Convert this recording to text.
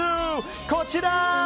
こちら！